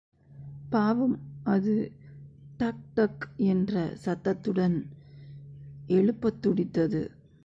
பாவம், அது டக்டக் என்ற சத்தத்துடன் எழுப்பத் துடித்தது.